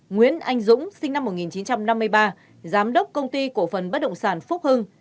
nguyễn anh dũng sinh năm một nghìn chín trăm năm mươi ba giám đốc công ty cổ phần bất động sản phúc hưng